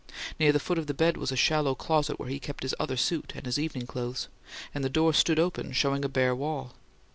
Near the foot of the bed was a shallow closet where he kept his "other suit" and his evening clothes; and the door stood open, showing a bare wall.